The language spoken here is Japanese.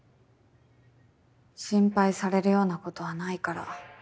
心配されるようなことはないから。